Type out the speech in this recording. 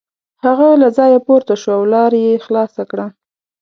هغه له ځایه پورته شو او لار یې خلاصه کړه.